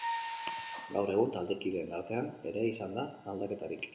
Gaur egun, taldekideen artean ere izan da aldaketarik.